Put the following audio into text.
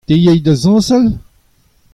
Te a yay da zañsal ?